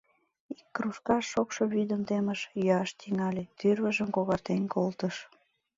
Ик кружкаш шокшо вӱдым темыш, йӱаш тӱҥале, тӱрвыжым когартен колтыш.